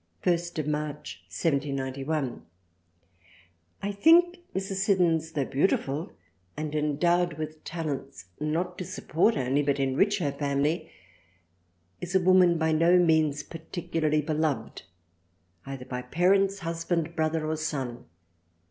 I March 1791. I think Mrs Siddons tho' beauti ful and endowed with Talents not to support only but enrich her family is a Woman by no means particularly beloved either by Parents, Husband, Brother or Son.